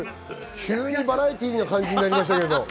急にバラエティーな感じになりましたけども。